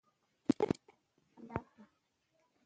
اداره د قانون د پلي کولو وسیله ده.